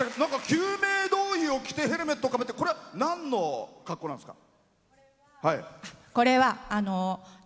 救命胴衣を着てヘルメットかぶってこれは、なんの格好なんですか？